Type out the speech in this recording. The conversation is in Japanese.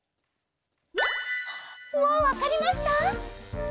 もうわかりました？